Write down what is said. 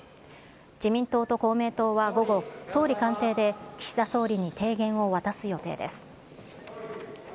自民党と公明党は午後、総理官邸で岸田総理に提言を渡す予定です。